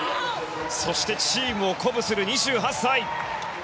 そしてチームを鼓舞する２８歳。